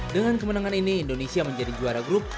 dengan kemenangan ini indonesia menjadi juara grup